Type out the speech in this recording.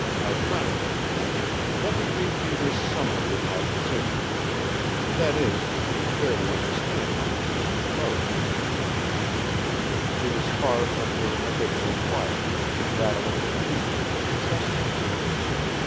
our conference, then, let me read you this summary of my position. That is, if you care to understand my position thoroughly." She was far from her habitual quietness, rattling the newspaper incessantly.